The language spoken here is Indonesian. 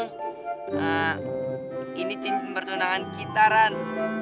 nah ini cincin pertunangan kita ran